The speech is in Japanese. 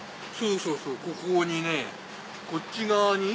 そうそうここにねこっち側に。